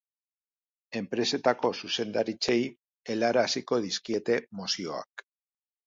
Enpresetako zuzendaritzei helaraziko dizkiete mozioak.